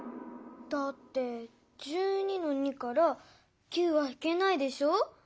だって１２の２から９はひけないでしょ。